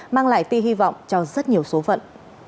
mang lại tia hy vọng cho rất nhiều số phận